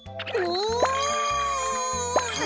お！